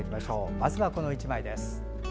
まずはこの１枚です。